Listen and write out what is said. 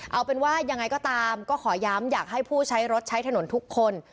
เอาเป็นว่ายังไงก็ตามก็ขอย้ำอยากให้ผู้ใช้รถใช้ถนนทุกคน